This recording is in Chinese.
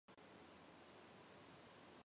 后担任国子监祭酒。